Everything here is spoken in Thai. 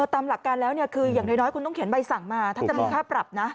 ตามหลักการแล้วคืออย่างน้อยคุณต้องเขียนใบสั่งมาถ้าจะมีค่าปรับนะ